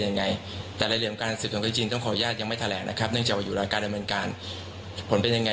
ในเดียวกันกลมเมืองจะได้สืบคำสาบโรงงาน